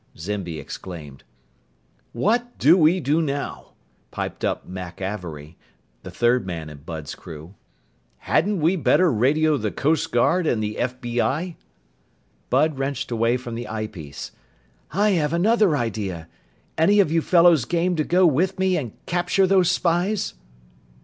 Zimby exclaimed. "What do we do now?" piped up Mack Avery, the third man in Bud's crew. "Hadn't we better radio the Coast Guard and the FBI?" Bud wrenched away from the eyepiece. "I have another idea! Any of you fellows game to go with me and capture those spies?"